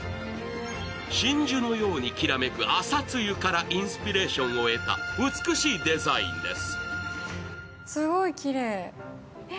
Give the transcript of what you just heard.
真珠のようにきらめく朝露からインスピレーションを得た美しいデザインです